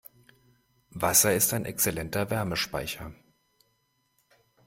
Wasser ist ein exzellenter Wärmespeicher.